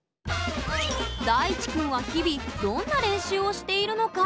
大智くんは日々どんな練習をしているのか？